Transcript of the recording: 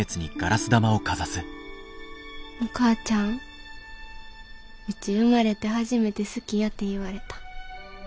お母ちゃんうち生まれて初めて好きやて言われた。